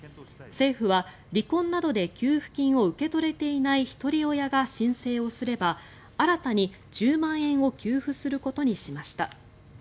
政府は、離婚などで給付金を受け取れていないひとり親が申請をすれば、新たに１０万円を給付することにしました。